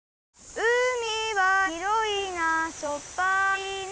「うみはひろいなしょっぱいな」